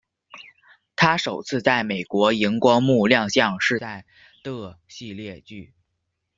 她首次在美国萤光幕亮相是在的系列剧。